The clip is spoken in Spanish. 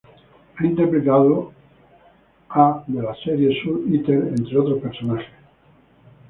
Ha interpretado a de la serie Soul Eater, entre otros personajes.